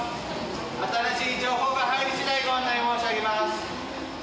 新しい情報が入り次第、ご案内申し上げます。